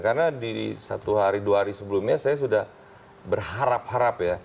karena di satu hari dua hari sebelumnya saya sudah berharap harap ya